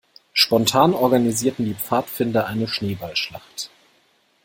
Spontan organisierten die Pfadfinder eine Schneeballschlacht.